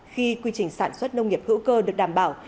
khi quy trình sản xuất nông nghiệp hữu cơ được đảm bảo